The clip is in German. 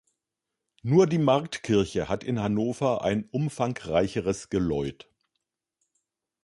Nur die Marktkirche hat in Hannover ein umfangreicheres Geläut.